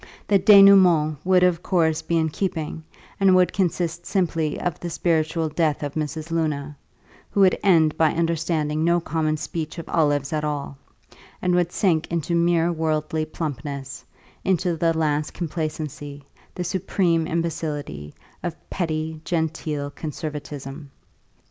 The dénouement would of course be in keeping, and would consist simply of the spiritual death of Mrs. Luna, who would end by understanding no common speech of Olive's at all, and would sink into mere worldly plumpness, into the last complacency, the supreme imbecility, of petty, genteel conservatism.